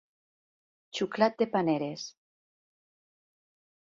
Xuclat de paneres.